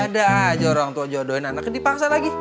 ada aja orang tua jodohin anaknya dipaksa lagi